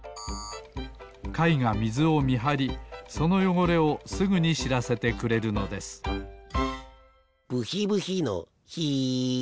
かいがみずをみはりそのよごれをすぐにしらせてくれるのですブヒブヒのヒ。